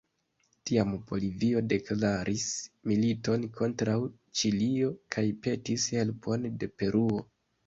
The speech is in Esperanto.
Tiam Bolivio deklaris militon kontraŭ Ĉilio kaj petis helpon de Peruo.